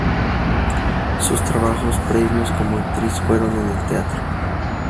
Sus trabajos previos como actriz fueron en el teatro.